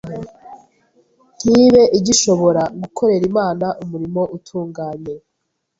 ntibe igishobora gukorera Imana umurimo utunganye.